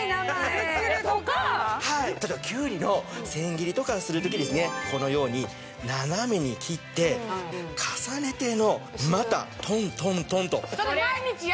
例えばきゅうりの千切りとかする時このように斜めに切って重ねてのまたトントントンと。